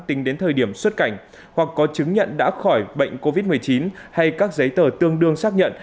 tính đến thời điểm xuất cảnh hoặc có chứng nhận đã khỏi bệnh covid một mươi chín hay các giấy tờ tương đương xác nhận